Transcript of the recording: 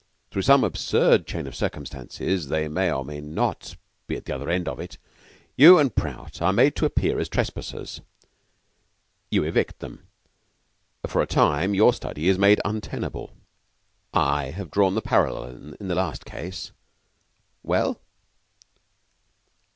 Through some absurd chain of circumstances they may or may not be at the other end of it you and Prout are made to appear as trespassers. You evict them. For a time your study is made untenable. I have drawn the parallel in the last case. Well?"